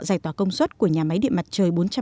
giải tỏa công suất của nhà máy điện mặt trời